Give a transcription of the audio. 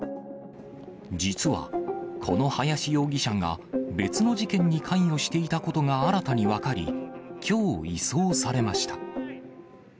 実は、この林容疑者が別の事件に関与していたことが新たに分かり、きょう移送されました。